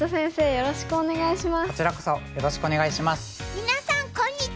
よろしくお願いします。